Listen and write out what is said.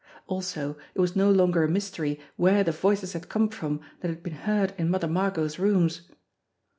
Also, it was no longer a mystery where the voices had come from that had been heard in Mother Margot's rooms!